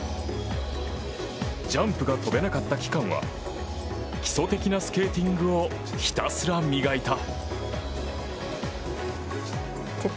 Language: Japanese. ジャンプが跳べなかった期間は基礎的なスケーティングをひたすら磨いた。